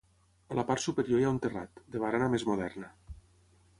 A la part superior hi ha un terrat, de barana més moderna.